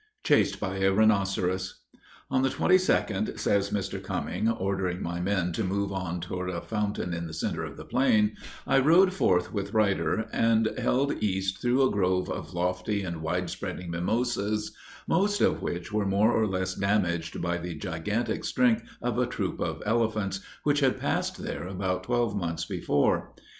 CHASED BY A RHINOCEROS. On the 22d, says Mr. Cumming, ordering my men to move on toward a fountain in the center of the plain, I rode forth with Ruyter, and held east through a grove of lofty and wide spreading mimosas, most of which were more or less damaged by the gigantic strength of a troop of elephants, which had passed there about twelve months before.